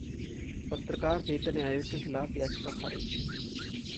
पत्रकार वेतन आयोग के खिलाफ याचिका खारिज